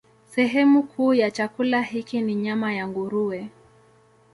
Sehemu kuu ya chakula hiki ni nyama ya nguruwe.